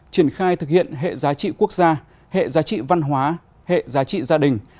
triển khai thực hiện hệ giá trị quốc gia hệ giá trị văn hóa hệ giá trị gia đình